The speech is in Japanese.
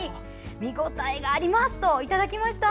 見応えがありますといただきました。